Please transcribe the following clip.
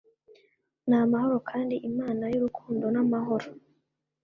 n amahoro kandi Imana y urukundo n amahoro